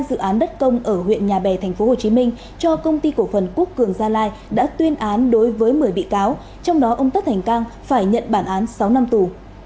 dự án đất công ở huyện nhà bè tp hcm cho công ty cổ phần quốc cường gia lai đã tuyên án đối với một mươi bị cáo trong đó ông tất thành cang phải nhận bản án sáu năm tù